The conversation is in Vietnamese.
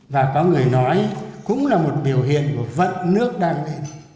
và có người nói cũng là một biểu hiện của vận nước đang